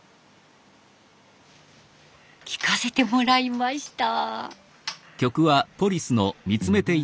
聴かせてもらいました。